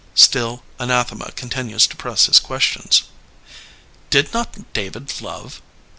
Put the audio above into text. '* Still Anathema continues to press his questions. ''Did not David love!